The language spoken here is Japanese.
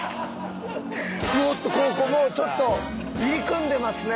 もうここちょっと入り組んでますね。